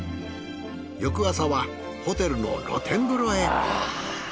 翌朝はホテルの露天風呂へ。